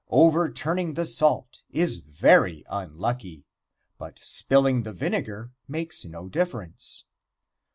Overturning the salt is very unlucky, but spilling the vinegar makes no difference.